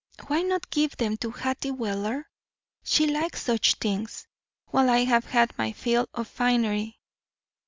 Why not give them to Hattie Weller? She likes such things, while I have had my fill of finery.